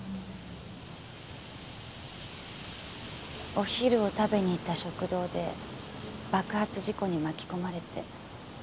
お昼を食べにいった食堂で爆発事故に巻き込まれて。